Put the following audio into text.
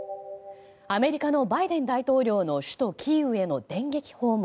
アメリカのバイデン大統領の首都キーウへの電撃訪問。